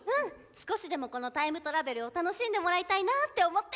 少しでもこのタイムトラベルを楽しんでもらいたいなって思って。